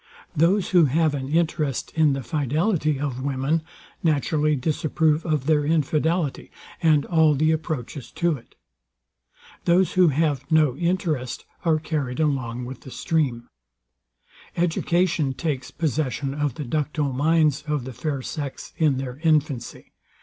Those, who have an interest in the fidelity of women, naturally disapprove of their infidelity, and all the approaches to it. Those, who have no interest, are carried along with the stream. Education takes possession of the ductile minds of the fair sex in their infancy.